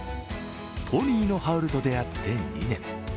ポニーのハウルと出会って２年。